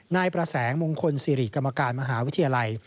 นายประแสงมงคลสิริกรรมการมหาวิทยาลัย